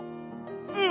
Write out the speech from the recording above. うん。